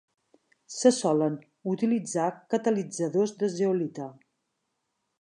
Se solen utilitzar catalitzadors de zeolita.